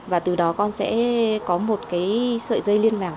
và từ đó con sẽ có một cái sợi dây liên lạc